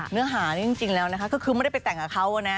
เนื้อหานี่จริงแล้วนะคะก็คือไม่ได้ไปแต่งกับเขานะ